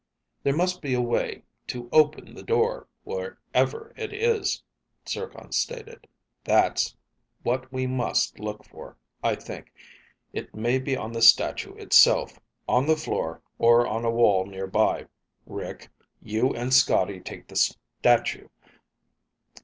"There must be a way to open the door, wherever it is," Zircon stated. "That's what we must look for, I think. It may be on the statue itself, on the floor, or on a wall near by. Rick, you and Scotty take the statue.